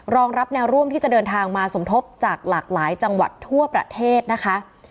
รองรับแนวร่วมที่จะเดินทางมาสมทบจากหลากหลายจังหวัดทั่วประเทศนะคะ